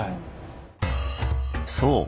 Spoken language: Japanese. そう！